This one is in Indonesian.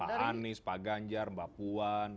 pak anies pak ganjar mbak puan